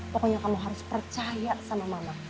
pokoknya kamu harus percaya sama mama